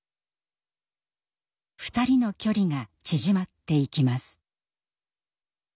２人の距離が縮まっていきます。